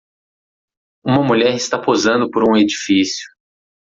Uma mulher está posando por um edifício.